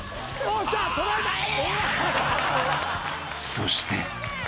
［そして］